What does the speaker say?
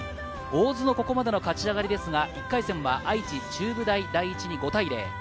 大津のここまでの勝ち上がりですが、１回戦は愛知・中部大第一に５対０。